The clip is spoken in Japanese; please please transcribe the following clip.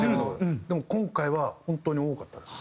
でも今回は本当に多かったです。